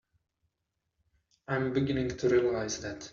I'm beginning to realize that.